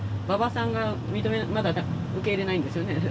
馬場さんがまだ受け入れないんですよね？